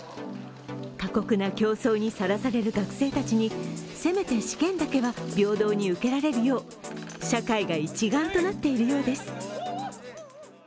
過酷な競争にさらされる学生たちにせめて試験だけは平等に受けられるよう社会が一丸となっているようです。